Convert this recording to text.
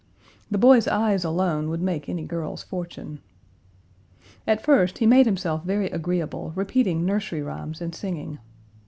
The boy's eyes alone would make any girl's fortune. At first he made himself very agreeable, repeating nursery rhymes and singing.